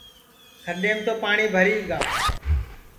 کھڈؔیم تو پاٹؔی بھری گا